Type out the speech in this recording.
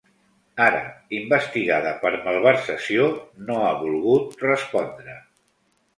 Ara, investigada per malversació, no ha volgut respondre.